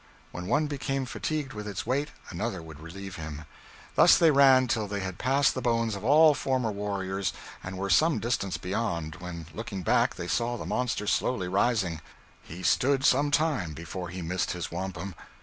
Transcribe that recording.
When one became fatigued with its weight, another would relieve him. Thus they ran till they had passed the bones of all former warriors, and were some distance beyond, when looking back, they saw the monster slowly rising. He stood some time before he missed his wampum.